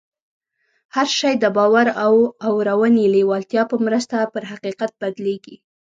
هر شی د باور او اورنۍ لېوالتیا په مرسته پر حقیقت بدلېږي